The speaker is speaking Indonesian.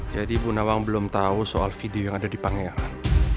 jadi bu nawang belum tahu soal video yang ada di pangeran